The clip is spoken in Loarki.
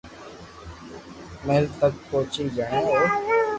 مھل تڪ پوچي جڻي او